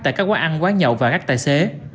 tại các quán ăn quán nhậu và gắt tài xế